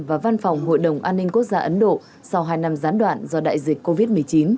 và văn phòng hội đồng an ninh quốc gia ấn độ sau hai năm gián đoạn do đại dịch covid một mươi chín